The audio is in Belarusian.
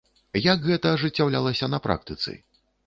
Як гэта ажыццяўлялася на практыцы?